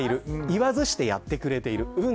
言わずしてやってくれています。